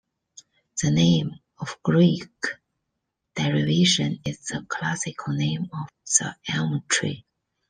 The name, of Greek derivation, is the classical name of the elm tree.